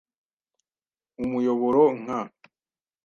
umuyoboro nka. ”